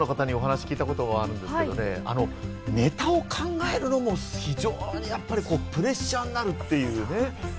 ＹｏｕＴｕｂｅｒの方にお話を聞いたことがあるんですけど、ネタを考えるのも非常にプレッシャーになるっていうね。